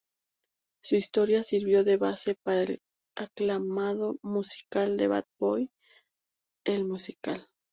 Su historia sirvió de base para el aclamado musical "Bat Boy: The Musical".